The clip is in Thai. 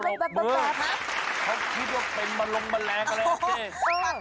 เขาคิดว่าเป็นมะลงมะแรงอะไรนะเจ๊